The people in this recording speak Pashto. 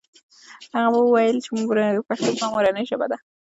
هغه وویل چې پښتو زما مورنۍ ژبه ده.